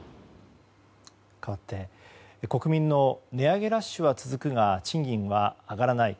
かわって国民の値上げラッシュは続くが賃金は上がらない。